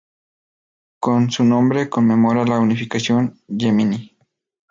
Con su nombre conmemora la unificación yemení.